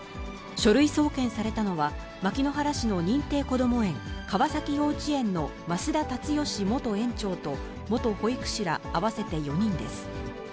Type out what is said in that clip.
書類送検されたのは、牧之原市の認定こども園、川崎幼稚園の増田立義元園長と、元保育士ら合わせて４人です。